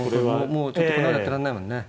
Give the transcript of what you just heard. もうちょっとこんなことやってらんないもんね。